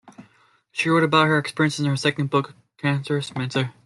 She wrote about her experiences in her second book, "Cancer Schmancer".